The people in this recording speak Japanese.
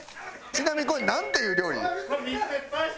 ちなみにこれなんていう料理？